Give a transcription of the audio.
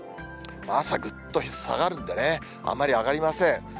朝ぐっと下がるんでね、あんまり上がりません。